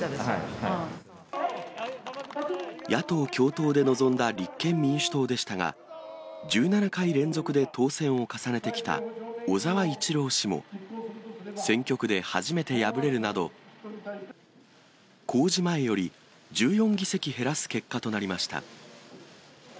野党共闘で臨んだ立憲民主党でしたが、１７回連続で当選を重ねてきた小沢一郎氏も選挙区で初めて敗れるなど、公示前より１４議席減らす結果となりました。